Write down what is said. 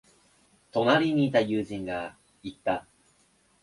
隣にいた友人が言った。